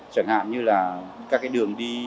chẳng hạn như là các đường đi